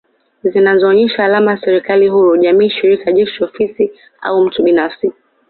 Zinazoonyesha alama ya serikali huru jamii shirika jeshi ofisi au mtu binafsi